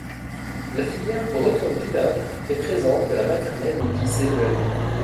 La filière breton bilingue est présente de la maternelle au lycée de la ville.